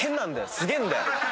すげえんだよ。